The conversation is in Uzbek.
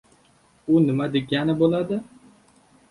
— U nima degani bo‘ldi?